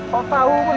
kau tahu poh